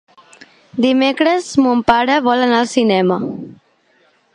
Dimecres mon pare vol anar al cinema.